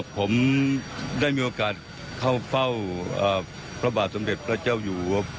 ผมได้มีโอกาสเข้าเฝ้าพระบาทสมเด็จพระเจ้าอยู่